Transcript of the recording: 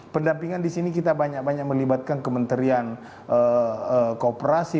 pendampingan di sini kita banyak banyak melibatkan kementerian kooperasi